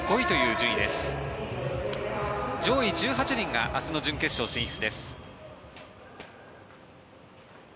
上位１８人が明日の準決勝進出です。